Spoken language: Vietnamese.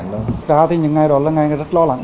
thật ra thì những ngày đó là ngày rất lo lắng